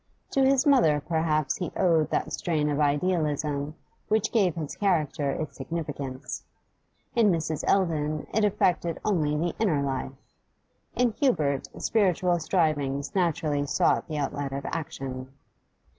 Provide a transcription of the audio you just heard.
To his mother perhaps he owed that strain of idealism which gave his character its significance. In Mrs. Eldon it affected only the inner life; in Hubert spiritual strivings naturally sought the outlet of action.